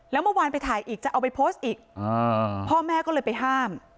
แล้วเมื่อวานไปถ่ายอีกจะเอาไปโพสต์อีกพ่อแม่ก็เลยไปห้าม